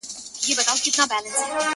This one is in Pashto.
صوفي سمدستي شروع په نصیحت سو-